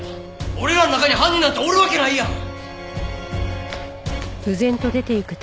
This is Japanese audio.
俺らの中に犯人なんておるわけないやん！